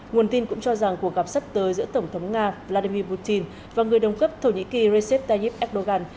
nguồn tin cũng cho rằng cuộc gặp sắp tới giữa tổng thống nga vladimir putin và người đồng cấp thổ nhĩ kỳ recep tayyip erdogan